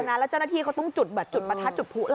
เจ้าหน้าที่เขาต้องจุดประทัดจุดผู้ไล่